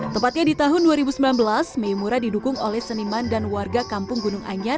tepatnya di tahun dua ribu sembilan belas meimura didukung oleh seniman dan warga kampung gunung anyar